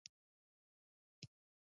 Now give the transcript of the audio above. مېز د انټرنېټ کار لپاره هم اړتیا ده.